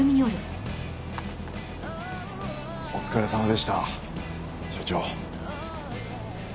お疲れさまでした署長。